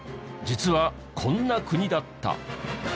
実はこんな国だった。